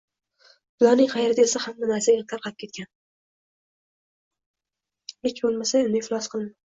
Hech bo‘lmasa uni iflos qilma.